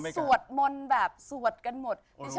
สวดมนต์แบบสวดกันหมด